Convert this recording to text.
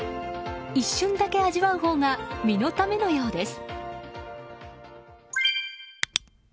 一瞬だけ味わうほうが身のためのようです。